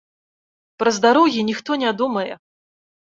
Пра здароўе ніхто не думае!